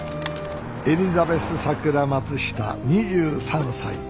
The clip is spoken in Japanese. エリザベス・さくら・松下２３歳。